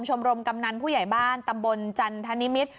ชมรมกำนันผู้ใหญ่บ้านตำบลจันทนิมิตร